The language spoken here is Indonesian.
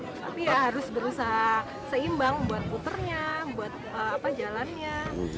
tapi ya harus berusaha seimbang buat puternya buat jalannya